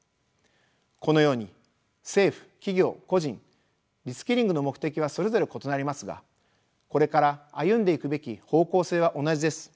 このように政府・企業・個人リスキリングの目的はそれぞれ異なりますがこれから歩んでいくべき方向性は同じです。